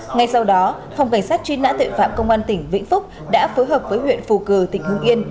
ngay sau đó phòng cảnh sát truy nã tuệ phạm công an tỉnh vĩnh phúc đã phối hợp với huyện phù cử tỉnh hưng yên